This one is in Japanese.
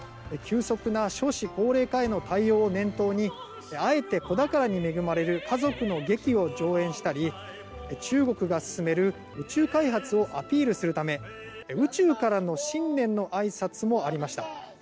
急速な少子高齢化への対応を念頭にあえて子宝に恵まれる家族の劇を上演したり中国が進める宇宙開発をアピールするため、宇宙からの新年のあいさつもありました。